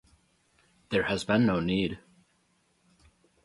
There has been no need.